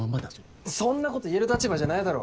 そんなこと言える立場じゃないだろ。